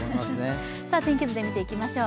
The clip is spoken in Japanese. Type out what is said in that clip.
天気図で見ていきましょう。